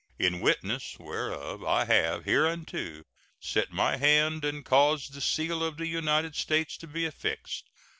In witness whereof I have hereunto set my hand and caused the seal of the United States to be affixed.